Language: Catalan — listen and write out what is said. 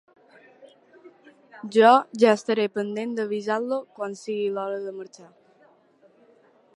Jo ja estaré pendent d'avisar-lo quan sigui l'hora de marxar.